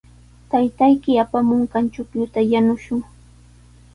Taytayki apamunqan chuqlluta yanushun.